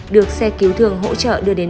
được xe cứu thương hỗ trợ đưa đến